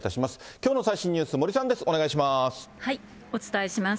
きょうの最新のニュース、森さんです、お願いします。